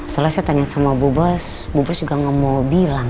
soalnya saya tanya sama bu bos bu bos juga enggak mau bilang